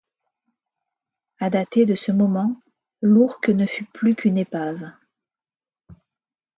À dater de ce moment, l’ourque ne fut plus qu’une épave.